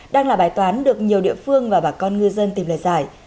đang là bài toán được nhiều địa phương và bà con ngư dân tìm lời giải